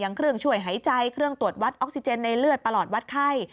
เครื่องช่วยหายใจเครื่องตรวจวัดออกซิเจนในเลือดประหลอดวัดไข้